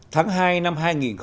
tháng hai năm hai nghìn một mươi năm